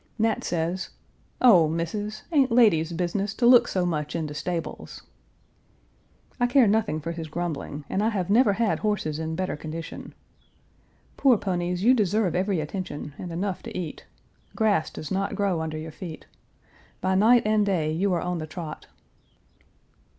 Nat says, "Ow, Missis, ain't lady's business to look so much in de stables." I care nothing for his grumbling, and I have never had horses in better condition. Poor ponies, you deserve every attention, and enough to Page 337 eat. Grass does not grow under your feet. By night and day you are on the trot.